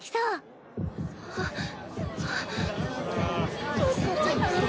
あっ。